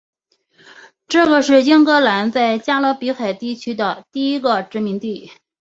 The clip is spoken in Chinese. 这个是英格兰在加勒比海地区的第一个殖民地。